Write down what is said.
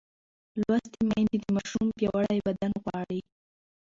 لوستې میندې د ماشوم پیاوړی بدن غواړي.